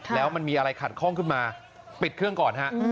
แล้วมันมีอะไรขัดข้องขึ้นมาปิดเครื่องก่อนฮะ